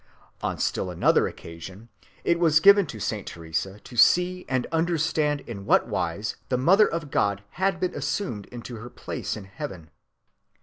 On still another occasion, it was given to Saint Teresa to see and understand in what wise the Mother of God had been assumed into her place in Heaven.